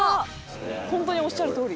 「本当におっしゃるとおり」